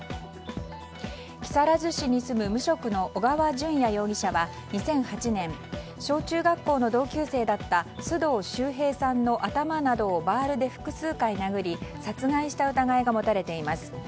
木更津市に住む無職の小川順也容疑者は２００８年小中学校の同級生だった須藤秀平さんの頭などをバールで複数回殴り殺害した疑いが持たれています。